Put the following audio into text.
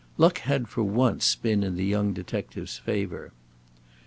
Luck had for once been in the young detective's favor.